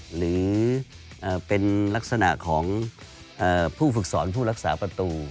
หรือเป็นลักษณะของผู้ฝึกสอนผู้รักษาประตู